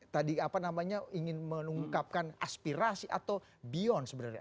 tadi apa namanya ingin mengungkapkan aspirasi atau beyond sebenarnya